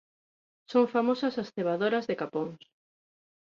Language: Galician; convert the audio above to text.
Son famosas as cebadoras de capóns.